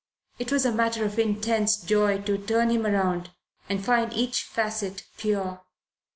It was a matter of intense joy to turn him round and find each facet pure.